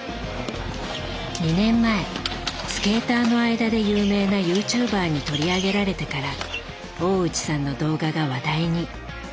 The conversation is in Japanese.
２年前スケーターの間で有名なＹｏｕＴｕｂｅｒに取り上げられてから大内さんの動画が話題に。